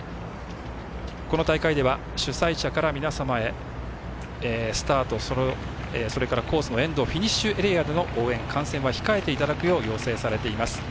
この大会では主催者から皆様へスタート、それからコースの沿道フィニッシュエリアでの応援、観戦は控えていただくよう要請されています。